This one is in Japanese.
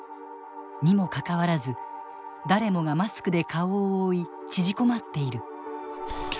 にもかかわらず誰もがマスクで顔を覆い縮こまっている。